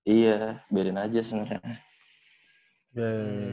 iya biarin aja sebenernya